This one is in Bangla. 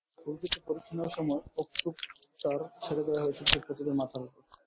স্কুলটিতে পরীক্ষা নেওয়ার সময় অক্টোকপ্টার ছেড়ে দেওয়া হয়েছিল শিক্ষার্থীদের মাথার ওপর।